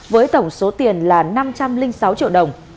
với tổng số tiền là năm trăm linh sáu triệu đồng